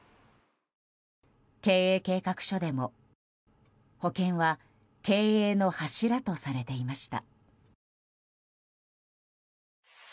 経営計画書でも、保険は経営の柱とされていました。